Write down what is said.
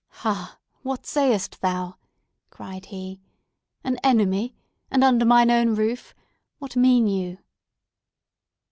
"Ha! What sayest thou?" cried he. "An enemy! And under mine own roof! What mean you?"